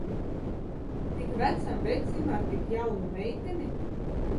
Tik vecam vecim ar tik jaunu meiteni?